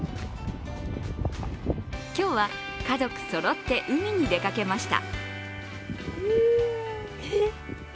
今日は家族そろって海に出かけました。